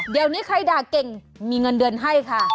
เดี๋ยวนี้ใครด่าเก่งมีเงินเดือนให้ค่ะ